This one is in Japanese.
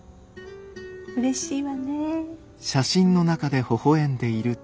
うれしいわね。